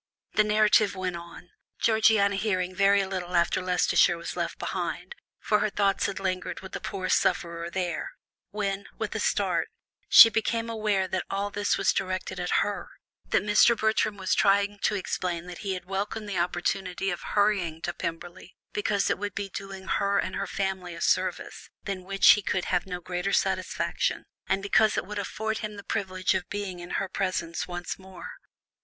The narrative went on, Georgiana hearing very little after Leicestershire was left behind, for her thoughts had lingered with the poor sufferer there, when, with a start, she became aware that all this was directed at her, that Mr. Bertram was trying to explain that he had welcomed the opportunity of hurrying to Pemberley, because it would doing her and her family a service, than which he could have no greater satisfaction, and because it would afford him the privilege of being in her presence once more.